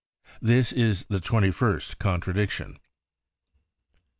(' nr. ' This is the tweny first contradiction.